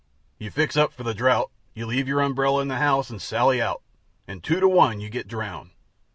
You fix up for the drought; you leave your umbrella in the house and sally out, and two to one you get drowned.